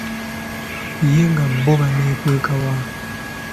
Ye nga bbo baneekweka wa?